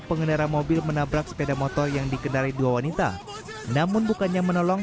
pengendara mobil menabrak sepeda motor yang dikendari dua wanita namun bukannya menolong